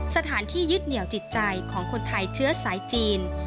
สถานที่ยึดเหนียวจิตใจของคนไทยเชื้อสายจีน